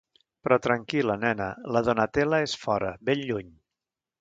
Però tranquil·la, nena, la Donatella és fora, ben lluny!